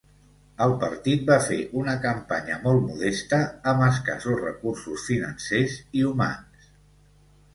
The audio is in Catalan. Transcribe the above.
El partit va fer una campanya molt modesta, amb escassos recursos financers i humans.